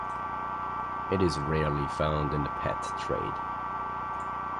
It is rarely found in the pet trade.